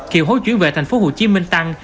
kiều hối chuyển về thành phố hồ chí minh tăng